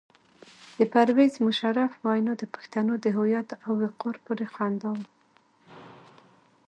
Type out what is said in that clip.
د پرویز مشرف وینا د پښتنو د هویت او وقار پورې خندا وه.